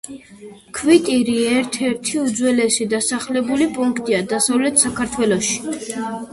ქვიტირი ერთ-ერთი უძველესი დასახლებული პუნქტია დასავლეთ საქართველოში